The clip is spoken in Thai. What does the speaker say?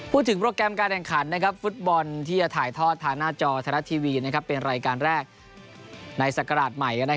โปรแกรมการแข่งขันฟุตบอลที่จะถ่ายทอดทางหน้าจอไทยรัฐทีวีเป็นรายการแรกในศักราชใหม่